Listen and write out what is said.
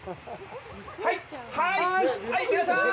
はい、はい、皆さん！